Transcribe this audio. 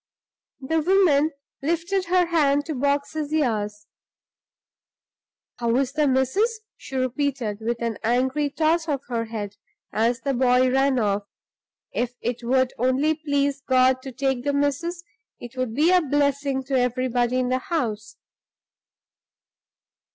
The woman lifted her hand to box his ears. "How is the missus?" she repeated, with an angry toss of her head, as the boy ran off. "If it would only please God to take the missus, it would be a blessing to everybody in the house."